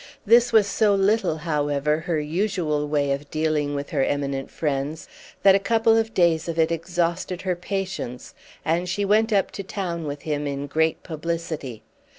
This was so little, however, her usual way of dealing with her eminent friends that a couple of days of it exhausted her patience, and she went up to town with him in great publicity.